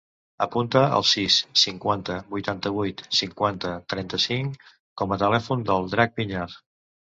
Apunta el sis, cinquanta, vuitanta-vuit, cinquanta, trenta-cinc com a telèfon del Drac Piñar.